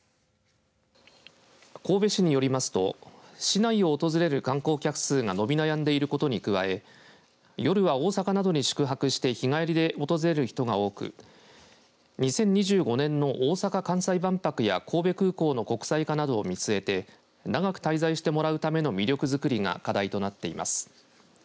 神戸市によりますと市内を訪れる観光客数が伸び悩んでることに加え夜は大阪などに宿泊して日帰りで訪れる人が多く２０２５年の大阪・関西万博や神戸空港の国際化などを見据えて長く滞在してもらうための魅力づくりが課題となっています。